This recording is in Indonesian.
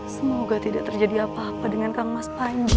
semoga tidak terjadi apa apa dengan kang emas panji